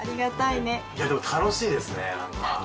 いやでも楽しいですねなんか。